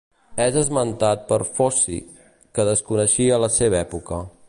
És esmentat per Foci que desconeixia la seva època.